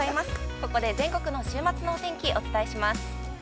ここで全国の週末のお天気をお伝えします。